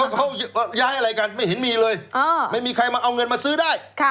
เขาย้ายอะไรกันไม่เห็นมีเลยไม่มีใครมาเอาเงินมาซื้อได้